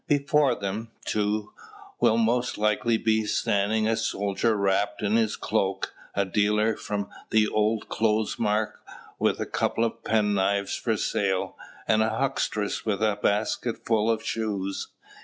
Before them, too, will most likely be standing a soldier wrapped in his cloak, a dealer from the old clothes mart, with a couple of penknives for sale, and a huckstress, with a basketful of shoes.